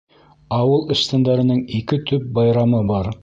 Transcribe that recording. Ауыл эшсәндәренең ике төп байрамы бар.